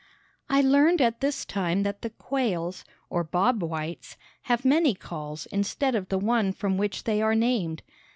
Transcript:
I learned at this time that the quails, or Bob Whites, have many calls instead of the one from which they are named.